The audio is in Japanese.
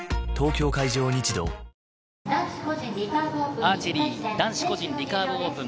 アーチェリー男子個人リカーブオープン。